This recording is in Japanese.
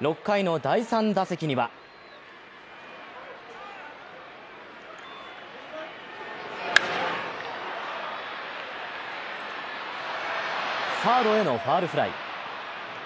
６回の第３打席にはサードへのファウルフライ。